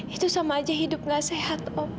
itu sama aja hidup gak sehat